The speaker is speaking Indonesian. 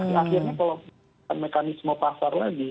tapi akhirnya kalau mekanisme pasar lagi